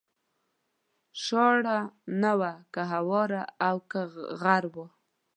شاړه نه وه که هواره او که غر و